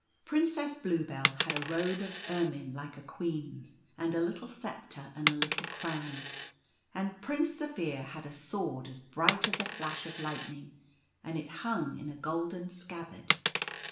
Princess Bluebell had a robe of ermine like a Queen's, and a little sceptre and a little crown, and Prince Zaphir had a sword as bright as a flash of lightning, and it hung in a golden scabbard.